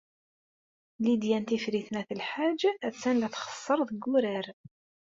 Lidya n Tifrit n At Lḥaǧ attan la txeṣṣer deg wurar.